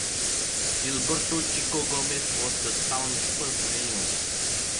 Gilberto Chico Gomez was the town's first mayor.